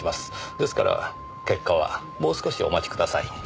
ですから結果はもう少しお待ちください。